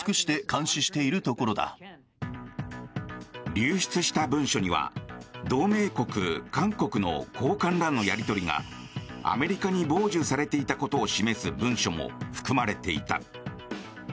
流出した文書には同盟国、韓国の高官らのやり取りがアメリカに傍受されていたことを示す文書も含まれていた。